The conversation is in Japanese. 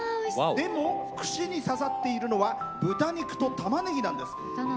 でも、串に刺さっているのは豚肉とタマネギなんです。